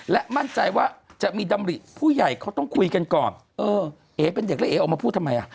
และมั่นใจว่าจะมีดำริผู้ใหญ่เขาต้องคุยกันก่อนเออเอ๋เป็นเด็กแล้วเอ๋ออกมาพูดทำไมอ่ะ